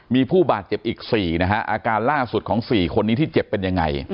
มีผู้บาดเจ็บอีก๔นะฮะอาการล่าสุดของ๔คนนี้ที่เจ็บเป็นยังไง